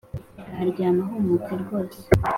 , Ikaharyama humutse rwose